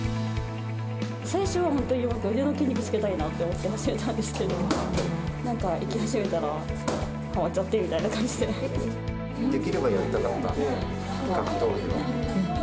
最初は腕の筋肉をつけたいと思って、始めたんですけど、なんか、行き始めたらはまっちゃできればやりたかった、格闘技を。